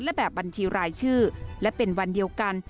และแบบบัญชีรายชื่อและเป็นวันเดียวกัน